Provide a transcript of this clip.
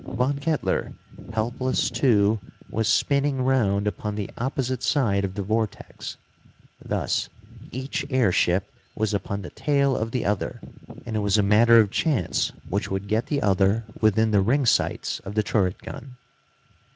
Von Kettler, helpless too, was spinning round upon the opposite side of the vortex. Thus each airship was upon the tail of the other, and it was a matter of chance which would get the other within the ringsights of the turret gun.